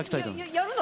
やるの？